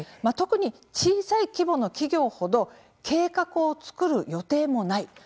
特に小さい規模の企業ほど計画を作る予定もない。